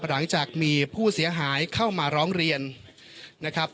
หลังจากมีผู้เสียหายเข้ามาร้องเรียนนะครับ